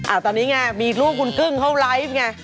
ตอนนี้ไงมีรูปคุณกึ้งเขาไลฟ์ไง